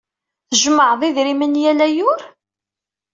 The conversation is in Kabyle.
Tjemmɛeḍ idrimen yal ayyur?